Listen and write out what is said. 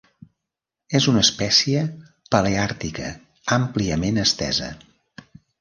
És una espècie paleàrtica àmpliament estesa.